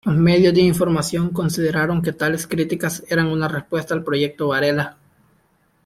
Los medios de información consideraron que tales críticas eran una respuesta al Proyecto Varela.